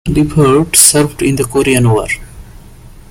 Leaphart served in the Korean War.